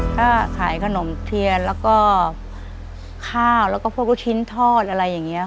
ถ้าขายขนมเทียนแล้วก็ข้าวแล้วก็พวกลูกชิ้นทอดอะไรอย่างนี้ค่ะ